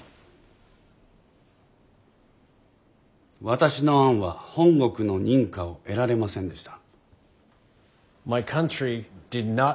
私の案は本国の認可を得られませんでした。